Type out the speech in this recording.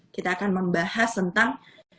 kita akan membahas tentang